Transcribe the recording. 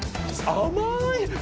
甘い！